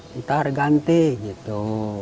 kita ganti gitu